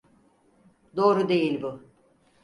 Doğru değil bu!